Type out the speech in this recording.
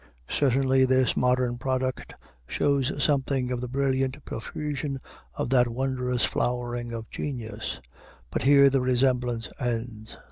Certainly this modern product shows something of the brilliant profusion of that wondrous flowering of genius; but here the resemblance ends.